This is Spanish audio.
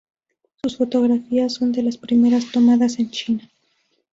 Sus fotografías son de las primeras tomadas en China.